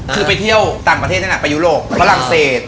คือไปเที่ยวต่างประเทศนะแหละไปยุโรปมหลังเศส